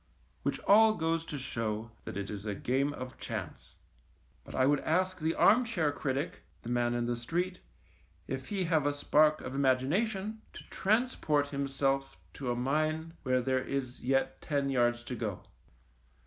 Which all goes to show that it is a game of chance. But I would ask the arm chair THE MINE 97 critic, the man in the street, if he have a spark of imagination, to transport himself to a mine where there is yet ten yards to go.